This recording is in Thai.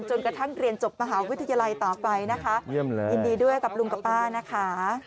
จนกระทั่งเรียนจบมหาวิทยาลัยต่อไปนะคะเยี่ยมเลยยินดีด้วยกับลุงกับป้านะคะ